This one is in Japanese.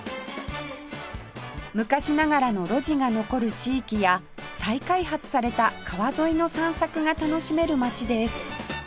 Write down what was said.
昔ながらの路地が残る地域や再開発された川沿いの散策が楽しめる街です